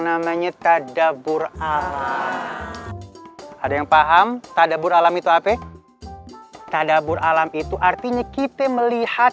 namanya tadabur alam ada yang paham tadabur alam itu apa tadabur alam itu artinya kita melihat